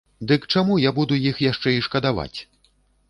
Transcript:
Дык чаму я буду іх яшчэ і шкадаваць?